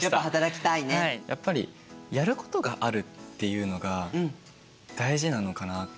やっぱりやることがあるっていうのが大事なのかなって。